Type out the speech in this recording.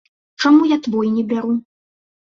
Чаму я твой не бяру?